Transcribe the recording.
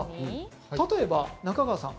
例えば、中川さん